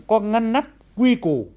có ngăn nắp quy củ